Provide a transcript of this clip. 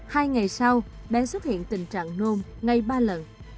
hai ngày sau bé xuất hiện tình trạng nôn ngay ba lần